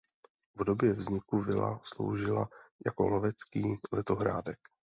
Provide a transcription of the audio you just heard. V době vzniku vila sloužila jako lovecký letohrádek.